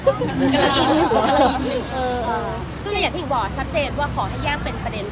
คืออย่างที่หนึ่งบอกชัดเจนว่าขอให้ย่างเป็นประเด็นค่ะ